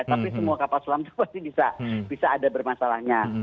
tapi semua kapal selam itu pasti bisa ada bermasalahnya